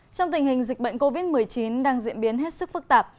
trong tình hình dịch bệnh covid một mươi chín đang diễn biến hết sức phức tạp